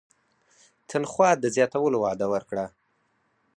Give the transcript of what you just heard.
تنخوا د زیاتولو وعده ورکړه.